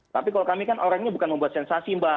tapi kalau kami kan orangnya bukan membuat sensasi mbak